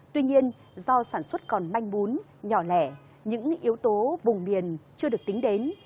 tuy nhiên do sản xuất còn manh bún nhỏ lẻ những yếu tố vùng miền chưa được tính đến